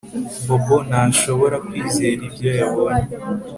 Bobo ntashobora kwizera ibyo yabonye